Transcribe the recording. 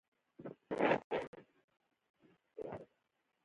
انتقادي تصویرونه د مجلو لپاره انځوروي.